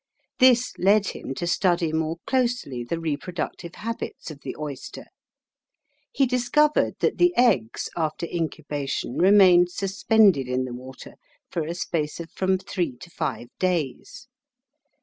This led him to study more closely the reproductive habits of the oyster. He discovered that the eggs after incubation remained suspended in the water for a space of from three to five days.